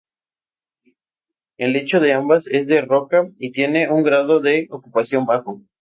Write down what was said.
El lecho de ambas es de roca y tiene un grado de ocupación bajo.